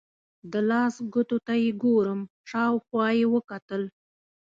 د لاس ګوتو ته یې ګورم، شاوخوا یې وکتل.